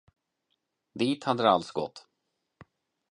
Dit hade det alltså gått.